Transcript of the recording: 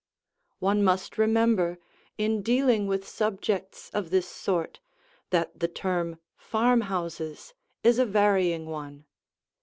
One must remember, in dealing with subjects of this sort, that the term "farmhouses" is a varying one.